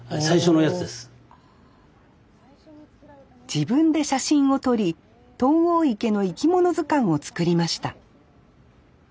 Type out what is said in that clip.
自分で写真を撮り東郷池の生き物図鑑を作りました